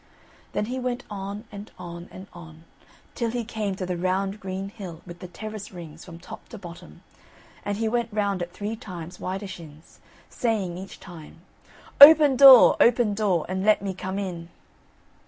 Then he went on, and on, and on, till he came to the round green hill with the terrace rings from top to bottom, and he went round it three times, widershins, saying each time: Open, door! open, door! And let me come in.